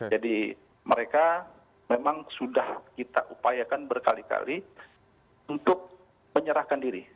jadi mereka memang sudah kita upayakan berkali kali untuk menyerahkan diri